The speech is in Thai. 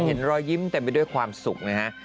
เห็นรอยยิ้มเต็มไปด้วยความสุขนะฮะ